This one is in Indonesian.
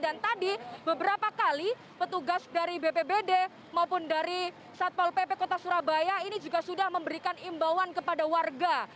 dan tadi beberapa kali petugas dari bpbd maupun dari satpol pp kota surabaya ini juga sudah memberikan imbauan kepada warga